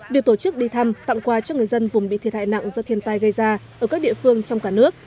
việc tổ chức đi thăm tặng quà cho người dân vùng bị thiệt hại nặng do thiên tai gây ra ở các địa phương trong cả nước